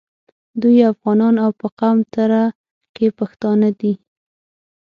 دوی افغانان او په قوم تره کي پښتانه دي.